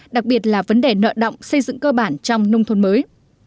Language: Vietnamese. đặc biệt là vấn đề nợ động xây dựng cơ bản trong nông thôn mới